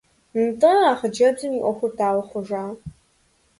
НтӀэ, а хъыджэбзым и Ӏуэхур дауэ хъужа?